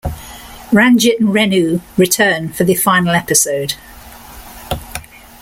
Ranjit and Renu return for the final episode.